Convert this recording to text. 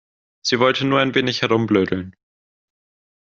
Sie wollte nur ein wenig herumblödeln.